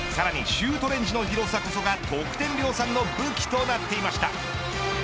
シュートレンジの広さこそが得点量産の武器となっていました。